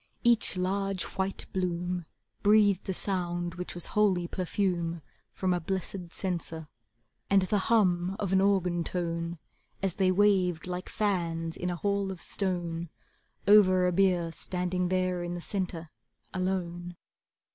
Each large white bloom Breathed a sound which was holy perfume from a blessed censer, And the hum of an organ tone, And they waved like fans in a hall of stone Over a bier standing there in the centre, alone.